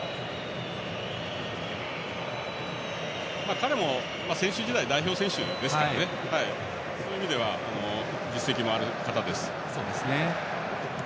彼も選手時代は代表ですしそういう意味では実績もある方です。